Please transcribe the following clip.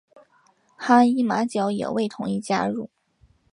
哈伊马角也未同意加入。